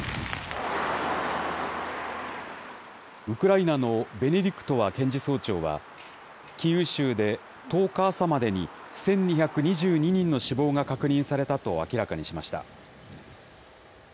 ウクライナのベネディクトワ検事総長は、キーウ州で１０日朝までに１２２２人の死亡が確認されたと明らかにしました。